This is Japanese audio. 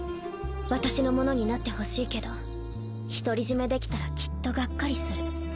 私のものになってほしいけど独り占めできたらきっとガッカリする。